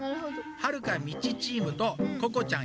はるかミチチームとここちゃん